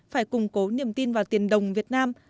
phải củng cố niềm tin vào tiền đồng việt nam